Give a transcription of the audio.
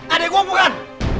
adek gue bukan